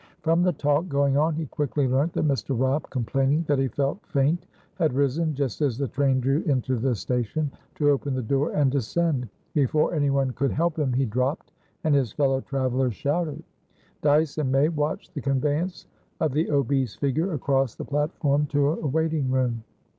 From the talk going on he quickly learnt that Mr. Robb, complaining that he felt faint, had risen, just as the train drew into the station, to open the door and descend. Before anyone could help him, he dropped, and his fellow travellers shouted. Dyce and May watched the conveyance of the obese figure across the platform to a waiting room.